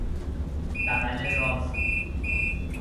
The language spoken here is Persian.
بغل راست